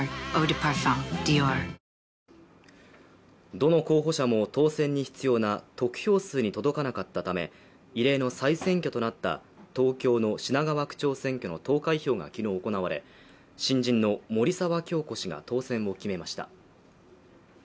どの候補者も当選に必要な得票数に届かなかったため異例の再選挙となった東京の品川区長選挙の投開票が昨日行われ、新人の森沢恭子氏が当選を決めました。